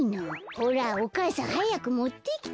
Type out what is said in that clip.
ほらお母さんはやくもってきて。